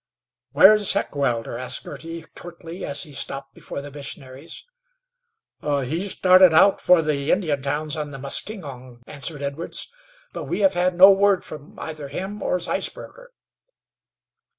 "Where's Heckewelder?" asked Girty, curtly, as he stopped before the missionaries. "He started out for the Indian towns on the Muskingong," answered Edwards. "But we have had no word from either him or Zeisberger."